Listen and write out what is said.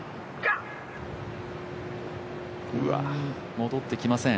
戻ってきません。